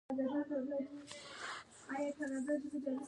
رس د ماشومانو خوښي ده